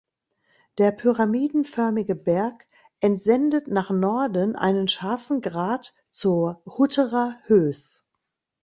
Der pyramidenförmige Berg entsendet nach Norden einen scharfen Grat zur Hutterer Höß.